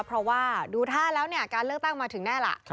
เพราะว่าดูท่าแล้วเนี่ยการเลือกตั้งมาถึงแน่ล่ะ